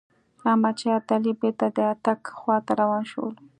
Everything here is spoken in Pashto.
احمدشاه ابدالي بیرته د اټک خواته روان شوی.